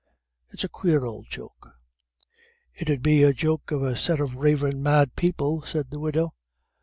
It's a quare ould joke." "It 'ud be the joke of a set of ravin' mad people," said the widow.